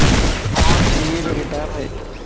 مان وٽ سنڌيءَ جو ڪتاب ائي.